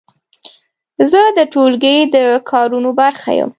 زه د ټولګي د کارونو برخه یم.